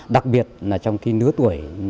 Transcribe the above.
đặc biệt trong khi nửa tuổi